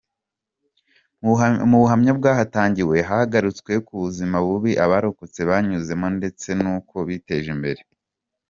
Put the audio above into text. Mu buhamya bwahatangiwe, hagarutswe ku buzima bubi abarokotse banyuzemo, ndetse n’uko biteje imbere.